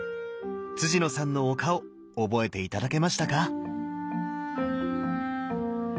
野さんのお顔覚えて頂けましたか？